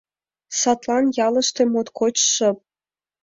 Садлан ялыште моткоч шып.